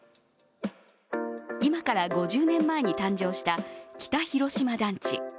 今から５０年前に誕生した北広島団地。